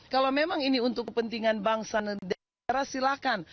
kalau memang ini untuk kepentingan bangsa dan negara silakan